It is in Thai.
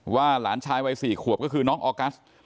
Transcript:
หลานชายวัย๔ขวบก็คือน้องออกัส